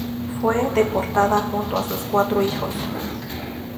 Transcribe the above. Fue deportada junto a sus cuatro hijos.